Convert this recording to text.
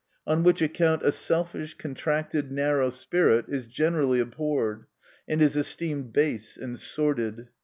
On which account a selfish, contracted, narrow spirit is generally abhorred, and is esteemed base and sordid.